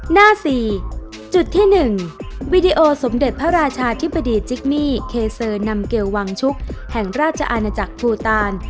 หน้า๔จุดที่๑วิดีโอสมเด็จพระราชาธิบดีจิกมี่เคเซอร์นำเกลวังชุกแห่งราชอาณาจักรภูตาน